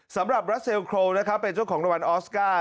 สำหรับรัชเซลล์โครโอเป็นเจ้าของรวรรณออสการ์